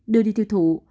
đưa đi tiêu thụ